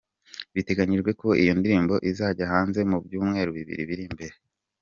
Biteganijwe ko iyo ndirimbo izajya hanze mu byumweru bibiri biri imbere.